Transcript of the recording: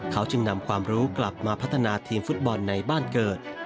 เขาจึงนำความรู้กลับมาพัฒนาทีมฟุตบอลในบ้านเกิด